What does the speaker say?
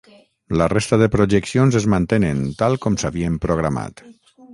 La resta de projeccions es mantenen tal com s’havien programat.